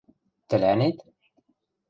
Тӹлӓнет?